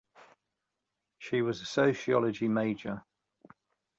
She was a sociology major.